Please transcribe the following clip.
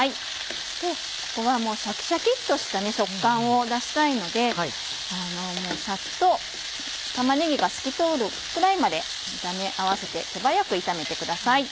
ここはもうシャキシャキっとした食感を出したいのでさっと玉ねぎが透き通るくらいまで炒め合わせて手早く炒めてください。